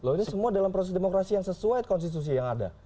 loh ini semua dalam proses demokrasi yang sesuai konstitusi yang ada